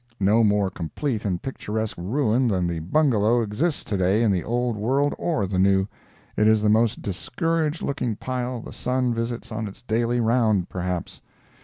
No more complete and picturesque ruin than the Bungalow exists to day in the old world or the new. It is the most discouraged looking pile the sun visits on its daily round, perhaps.